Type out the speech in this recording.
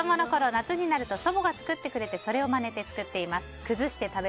夏になると祖母が作ってくれてそれをまねて作っています。